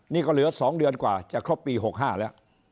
นี่ก็เหลือ๒เดือนกว่าจะครบปี๖๕แล้ว